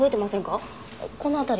この辺り。